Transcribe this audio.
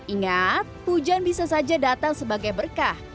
ingat hujan bisa saja datang sebagai berkah